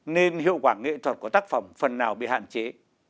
nên hiệu quả nghệ thuật của tác phẩm phần nào bị hạn chế